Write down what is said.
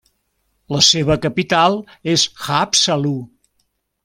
La seva capital és Haapsalu.